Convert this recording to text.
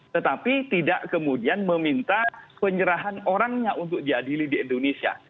tetapi tidak kemudian meminta penyerahan orangnya untuk diadili di indonesia